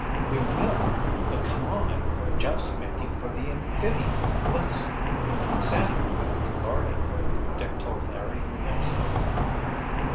"We will—but come on—Jeff's making for the amphibian—let's——" "Sandy went back to guard it," Dick told Larry who had spoken.